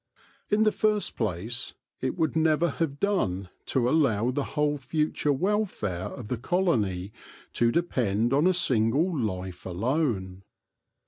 In the first place, it would never have done to allow the whole future welfare of the colony to depend on a single life alone.